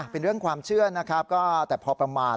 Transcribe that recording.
เป็นเรื่องความเชื่อนะครับก็แต่พอประมาณ